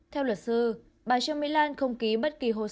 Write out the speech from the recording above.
theo luật sư bà trương mỹ lan không ký bất kỳ hội